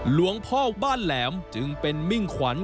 หลวงพ่อบ้านแหลมจึงเป็นมิ่งขวัญ